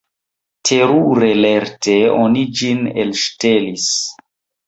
Terure lerte oni ĝin elŝtelis.